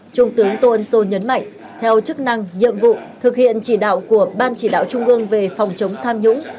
trung tướng tôn sô nhấn mạnh theo chức năng nhiệm vụ thực hiện chỉ đạo của ban chỉ đạo trung ương về phòng chống tham nhũng